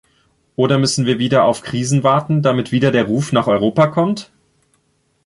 Oder müssen wir wieder auf Krisen warten, damit wieder der Ruf nach Europa kommt?